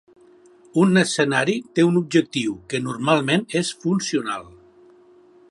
Un escenari te un objectiu, que normalment és funcional.